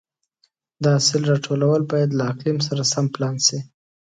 د حاصل راټولول باید له اقلیم سره سم پلان شي.